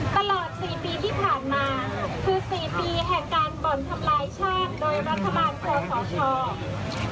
ตลอด๔ปีที่ผ่านมาคือ๔ปีแห่งการบ่อนทำลายชาติโดยรัฐบาลคอสช